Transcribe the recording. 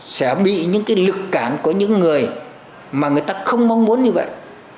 sẽ bị những cái lực cản của những người mà người ta không mong muốn như vậy